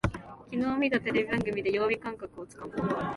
きのう見たテレビ番組で曜日感覚をつかむ